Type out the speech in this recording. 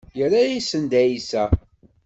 Yerra-asen-d ɛisa.